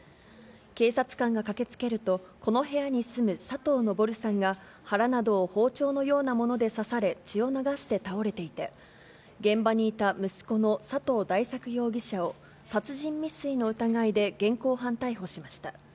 警察官が駆けつけると、この部屋に住む佐藤登さんが、腹などを包丁のようなもので刺され、血を流して倒れていて、現場にいた息子の佐藤大作容疑者を、殺人未遂の疑いで、現行犯逮捕しました。